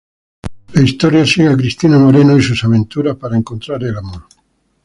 La historia sigue a Cristina Moreno y sus aventuras para encontrar el amor.